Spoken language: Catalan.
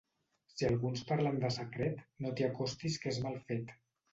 Si alguns parlen de secret, no t'hi acostis que és mal fet.